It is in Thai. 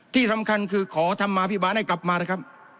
ที่สำคัญคือขอธรรมาภิบาลให้กลับมานะครับ